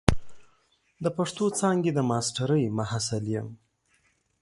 د پښتو څانګې د ماسترۍ محصل یم.